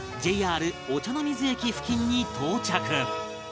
ＪＲ 御茶ノ水駅付近に到着